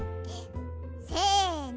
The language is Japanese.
せの！